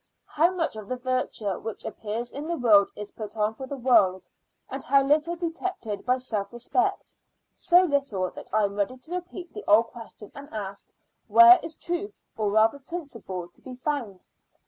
How much of the virtue which appears in the world is put on for the world? And how little dictated by self respect? so little, that I am ready to repeat the old question, and ask, Where is truth, or rather principle, to be found?